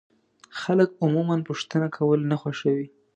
خلک عموما پوښتنه کول نه خوښوي.